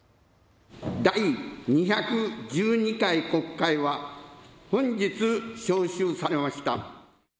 第２１２回国会は本日召集されました。